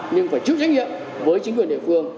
nhưng phải chịu trách nhiệm với chính quyền địa phương